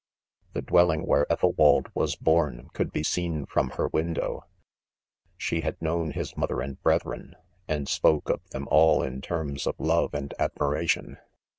* The dwelling where Ethelwald was born could be seen ■ from her ■ window She had known his mother and brethren, and spoke o£ them all in terms of love and admiration.